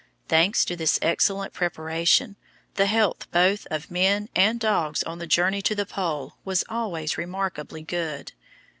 Thanks to this excellent preparation, the health both of men and dogs on the journey to the Pole was always remarkably good.